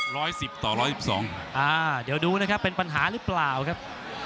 ร้อยสิบต่อร้อยสิบสองอ่าเดี๋ยวดูนะครับเป็นปัญหาหรือเปล่าครับ